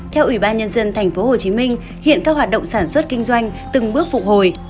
theo ubnd tp hcm hiện các hoạt động sản xuất kinh doanh từng bước phục hồi